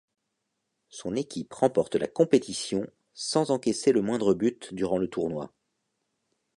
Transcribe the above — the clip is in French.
Son équipe remporte la compétition sans encaisser le moindre but durant le tournoi.